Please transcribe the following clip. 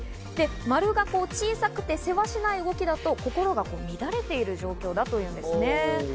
丸が小さくてせわしない動きだと心が乱れている状況だというんですね。